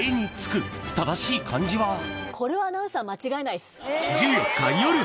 これはアナウンサー間違えないっす。